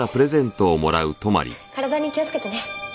体に気をつけてね。